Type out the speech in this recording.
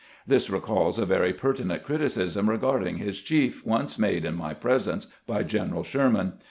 This recalls a very pertinent criticism regarding his chief once made in my presence by General Sherman.